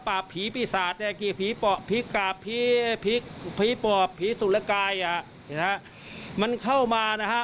ปราบผีพิสาทผีกราบผีปลอบผีสุรกายมันเข้ามานะฮะ